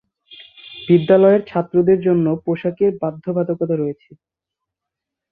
বিদ্যালয়ের ছাত্রদের জন্য পোশাকের বাধ্যবাধকতা রয়েছে।